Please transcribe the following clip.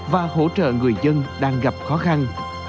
và hỗ trợ người dân đang gặp khó khăn